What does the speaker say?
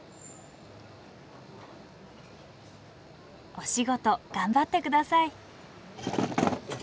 お仕事頑張って下さい。